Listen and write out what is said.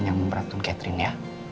yang memperhatikan catherine ya